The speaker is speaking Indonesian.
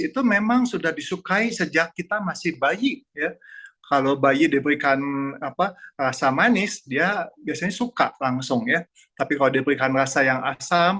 tapi kalau diberikan rasa yang asal